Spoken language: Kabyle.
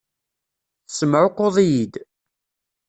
Tessemɛuqquḍ-iyi-d.